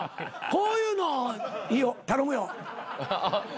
こういうの飯尾頼むよ。